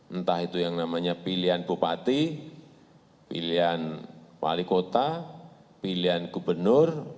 entah itu yang namanya pilihan bupati pilihan wali kota pilihan gubernur